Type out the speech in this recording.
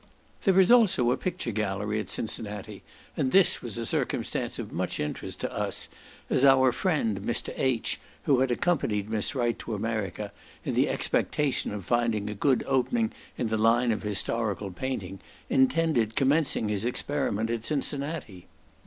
There is also a picture gallery at Cincinnati, and this was a circumstance of much interest to us, as our friend Mr. H., who had accompanied Miss Wright to America, in the expectation of finding a good opening in the line of historical painting, intended commencing his experiment at Cincinnati.